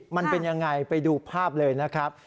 มันเป็นยังไงไปดูภาพเลยนะครับ